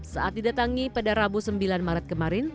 saat didatangi pada rabu sembilan maret kemarin